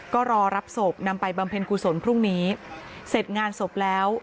ก็รอรับศพนำไปบำเพ็ญกุศลพรุ่งนี้เสร็จงานศพแล้ว